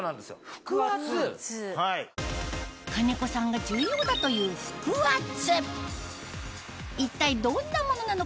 兼子さんが重要だという腹圧一体どんなものなのか？